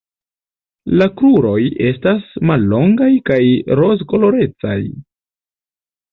La kruroj estas mallongaj kaj rozkolorecaj.